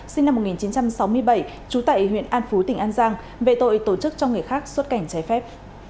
sinh năm một nghìn chín trăm sáu mươi bảy trú tại huyện an phú tỉnh an giang về tội tổ chức cho người khác xuất cảnh trái phép